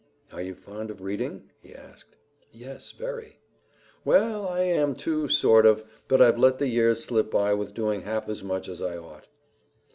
"Are you fond of reading?" he asked. "Yes, very." "Well, I am, too, sort of; but I've let the years slip by without doing half as much as I ought."